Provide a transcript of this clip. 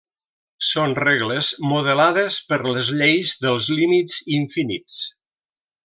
Són regles modelades per les lleis dels límits infinits.